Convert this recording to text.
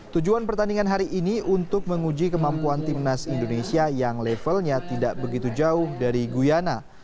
tujuan pertandingan hari ini untuk menguji kemampuan timnas indonesia yang levelnya tidak begitu jauh dari guyana